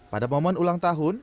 pada momen ulang tahun